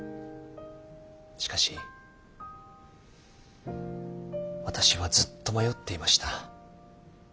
しかし私はずっと迷っていました。